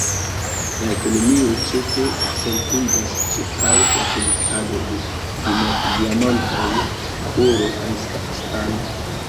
La ekonomio ĉefe centriĝas ĉirkaŭ la produktado de diamantoj, oro kaj stano.